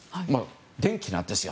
電気なんですよ。